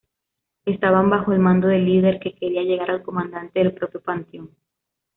Estaban bajo el mando del Líder que quería llegar al comandante del propio Panteón.